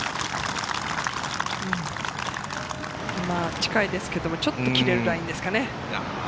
近いですけど、ちょっと切れるラインですかね。